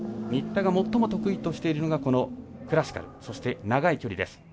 新田が最も得意としているのがクラシカルそして長い距離です。